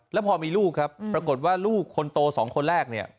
แล้วพอมีลูกปรากฏว่าลูกคนโต๒คนแรก